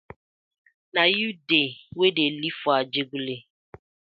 Na yu dey wey dey live for ajegunle.